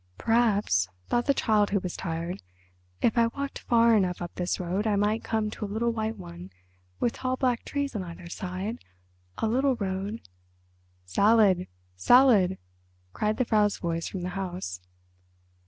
"Perhaps," thought the Child Who Was Tired, "if I walked far enough up this road I might come to a little white one, with tall black trees on either side—a little road—" "Salad, salad!" cried the Frau's voice from the house.